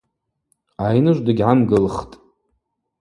Айныжв дыгьгӏамгылхтӏ.